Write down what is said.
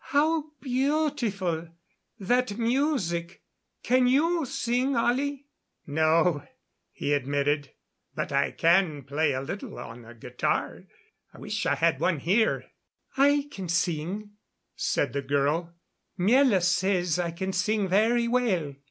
"How beautiful that music! Can you sing, Ollie?" "No," he admitted, "but I can play a little on a guitar. I wish I had one here." "I can sing," said the girl: "Miela says I can sing very well."